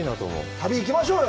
旅、行きましょうよ。